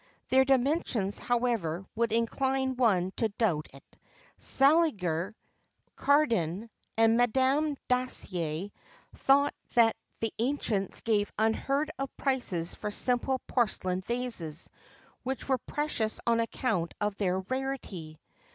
Their dimensions, however, would incline one to doubt it. Scaliger,[XXVII 34] Cardan,[XXVII 35] and Madame Dacier,[XXVII 36] thought that the ancients gave unheard of prices for simple porcelain vases, which were precious on account of their rarity.